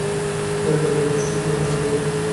হে ঠাকুর, দৃষ্টি দিয়ো না ঠাকুর!